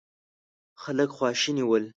خلک خواشيني ول.